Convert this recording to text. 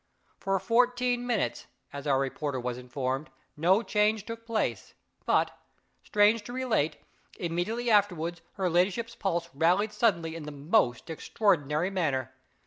For fourteen minutes, as our reporter was informed, no change took place; but, strange to relate, immediately afterward her ladyship's pulse rallied suddenly in the most extraordinary manner.